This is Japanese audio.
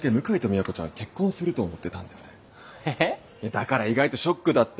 だから意外とショックだったよ。